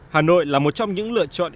hà nội là một trong những lựa chọn